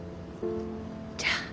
じゃあ。